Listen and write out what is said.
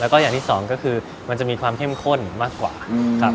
แล้วก็อย่างที่สองก็คือมันจะมีความเข้มข้นมากกว่าครับ